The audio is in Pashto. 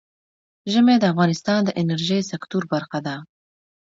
ژمی د افغانستان د انرژۍ سکتور برخه ده.